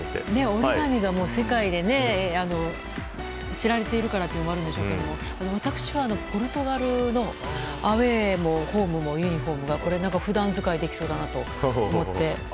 折り紙が世界に知られているからというのもあるんでしょうけど私はポルトガルのアウェーもホームもユニホームが普段使いできそうだなと思って。